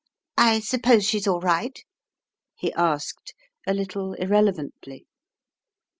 I suppose she's all right?" he asked, a little irrelevantly.